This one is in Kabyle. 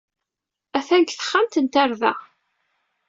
Attan deg texxamt n tarda.